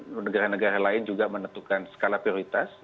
di negara negara lain juga menentukan skala prioritas